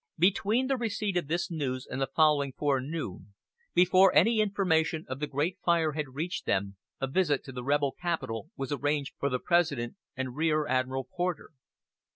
Between the receipt of this news and the following forenoon, before any information of the great fire had reached them, a visit to the rebel capital was arranged for the President and Rear Admiral Porter.